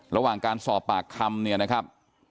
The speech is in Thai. ระหว่างการสอบปากคำเนี่ยนะครับ